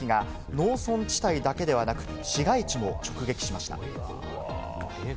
農村地帯だけではなく、市街地も直撃しました。